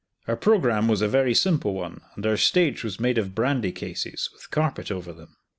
Our programme was a very simple one, and our stage was made of brandy cases, with carpet over them.